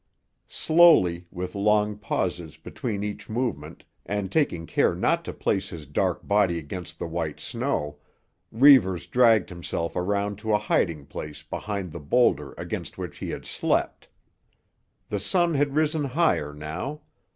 Slowly, with long pauses between each movement, and taking care not to place his dark body against the white snow, Reivers dragged himself around to a hiding place behind the boulder against which he had slept. The sun had risen higher now.